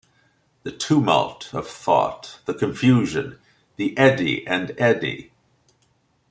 The tumult of thought, the confusion, the eddy and eddy.